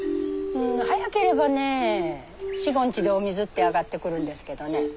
早ければね４５日でお水って上がってくるんですけどね。